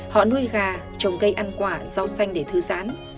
họ nuôi gà trồng cây ăn quả rau xanh để thư giãn